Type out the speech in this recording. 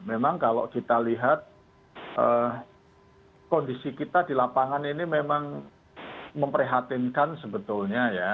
memang kalau kita lihat kondisi kita di lapangan ini memang memprihatinkan sebetulnya ya